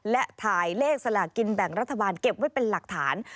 และถ่ายเลขสลากินแบ่งรัฐบาลเก็บไว้เป็นหลักฐาน